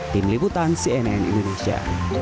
tim liputan cnn indonesia